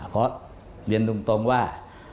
เพราะเรียนตรงว่า